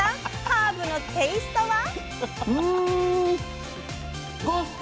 ハーブのテイストは？